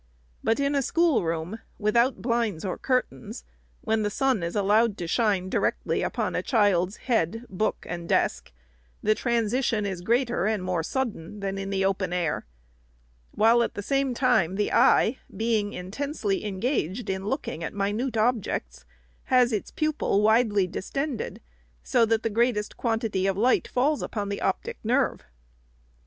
But in a schoolroom, without blinds or curtains, when the sun is allowed to shine directly upon a child's head, book, or desk, the transition 472 REPORT OF THE SECRETARY is greater and more sudden than in the open air ; while, at the same time, the eye, being intensely engaged in look ing at minute objects, has its pupil widely distended, so that the greatest quantity of light falls upon the optic nerve.